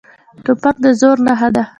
توپک د زور نښه ده.